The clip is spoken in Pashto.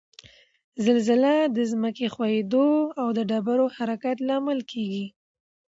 زلزله د ځمک ښویدو او ډبرو حرکت لامل کیږي